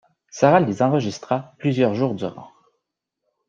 Sara les enregistra plusieurs jours durant